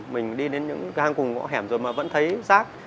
mình đi đến những hang cùng ngõ hẻm rồi mà vẫn thấy rác